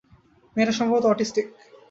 মেয়েটা সম্ভবত অটিস্টিক।